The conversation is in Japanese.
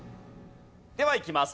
ではいきます。